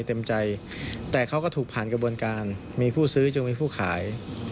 เต็มใจแต่เขาก็ถูกผ่านกระบวนการมีผู้ซื้อจนมีผู้ขาย